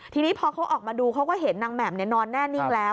ทีนี้พอเขาออกมาดูเขาก็เห็นนางแหม่มนอนแน่นิ่งแล้ว